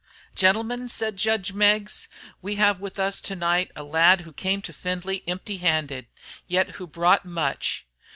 "Gentlemen," said judge Meggs, "we have with us to night a lad who came to Findlay empty handed, yet who brought much.